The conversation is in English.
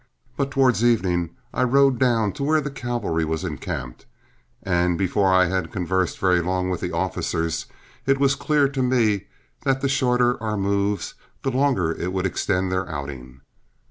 But towards evening I rode down to where the cavalry was encamped, and before I had conversed very long with the officers, it was clear to me that the shorter our moves the longer it would extend their outing.